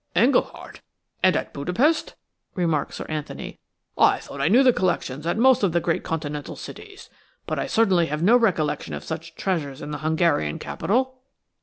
"Engleheart–and at Budapest!" remarked Sir Anthony. "I thought I knew the collections at most of the great Continental cities, but I certainly have no recollection of such treasures in the Hungarian capital."